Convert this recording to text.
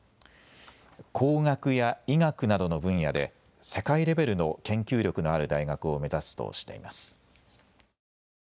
工学や医学などの分野で世界レベルの研究力のある大学を目指すとしています。